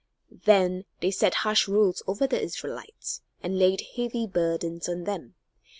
Then they set harsh rules over the Israelites, and laid heavy burdens on them.